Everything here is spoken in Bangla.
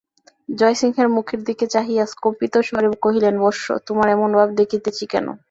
জয়সিংহের মুখের দিকে চাহিয়া কম্পিতস্বরে কহিলেন, বৎস, তোমার এমন ভাব দেখিতেছি কেন?